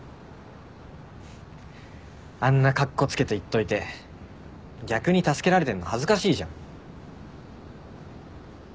あんなカッコつけて言っといて逆に助けられてんの恥ずかしいじゃん。